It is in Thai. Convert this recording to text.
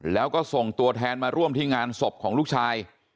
แล้วก็ส่งตัวแทนมาร่วมที่งานศพของลูกชาย